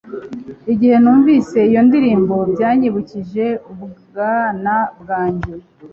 Igihe numvise iyo ndirimbo byanyibukije ubwana bwanjye